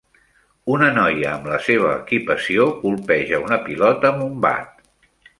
Una noia amb la seva equipació colpeja una pilota amb un bat.